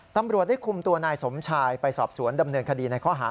ตำรวจได้คุมตัวนายสมชายไปสอบสวนดำเนินคดีในข้อหา